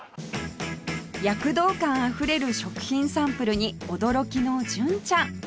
躍動感あふれる食品サンプルに驚きの純ちゃん